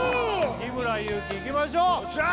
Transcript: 日村勇紀いきましょうよっしゃ！